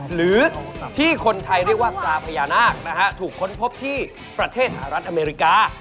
หรือที่คนไทยเรียกว่าตราพญานาคนะฮะถูกค้นพบที่ประเทศสหรัฐอเมริกา